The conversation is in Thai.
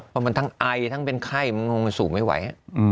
เพราะมันทั้งไอทั้งเป็นไข้มันคงสูงไม่ไหว